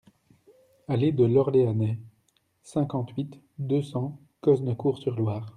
Allée de l'Orleanais, cinquante-huit, deux cents Cosne-Cours-sur-Loire